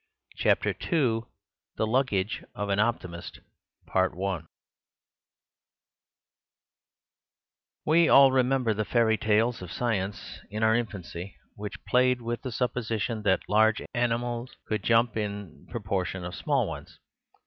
Chapter II The Luggage of an Optimist We all remember the fairy tales of science in our infancy, which played with the supposition that large animals could jump in the proportion of small ones.